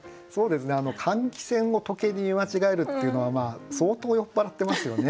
換気扇を時計に見間違えるっていうのは相当酔っ払ってますよね。